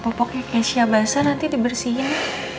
popoknya kesya basah nanti dibersihin